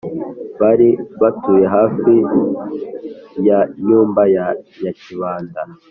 bari batuye hafi ya nyumba ya nyakibanda